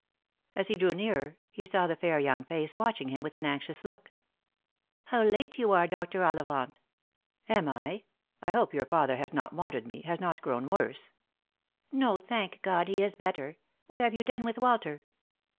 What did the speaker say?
As he drew nearer, he saw the fair young face watching him with an anxious look. " How late you are, Dr. Ollivant !" "Am I? I hope your father has not wanted me — has not grown worse ?"•' No ; thank God, he is better. What have you done with Walter?"